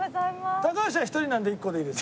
高橋は１人なので１個でいいです。